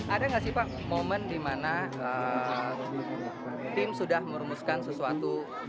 ada gak sih pak momen dimana tim sudah merumuskan sesuatu